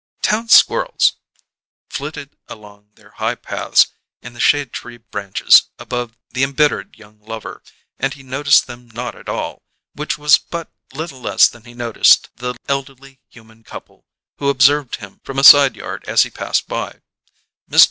Town squirrels flitted along their high paths in the shade tree branches above the embittered young lover, and he noticed them not at all, which was but little less than he noticed the elderly human couple who observed him from a side yard as he passed by. Mr.